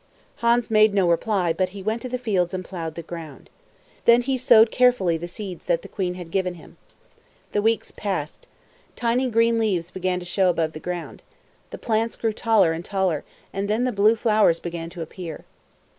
Hans made no reply, but he went to the fields and plowed the ground. Then he sowed carefully the seeds that the queen had given him. The weeks passed by. Tiny green leaves began to show above the ground. The plants grew taller and taller, and then the blue flowers began to appear.